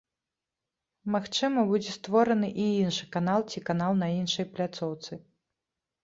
Магчыма, будзе створаны і іншы канал ці канал на іншай пляцоўцы.